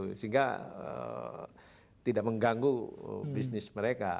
sehingga tidak mengganggu bisnis mereka